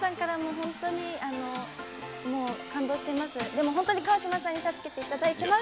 本当に川島さんに助けていただいてます。